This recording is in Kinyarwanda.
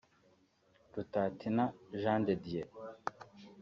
Rutatina Jean De Dieu